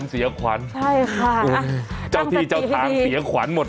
เสียขวัญ